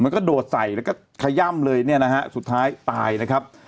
กระโดดใส่แล้วก็ขย่ำเลยเนี่ยนะฮะสุดท้ายตายนะครับ